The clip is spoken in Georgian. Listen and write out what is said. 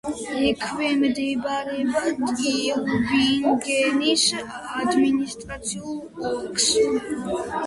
ექვემდებარება ტიუბინგენის ადმინისტრაციულ ოლქს.